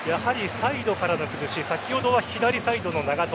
サイドからの崩し先ほどは左サイドの長友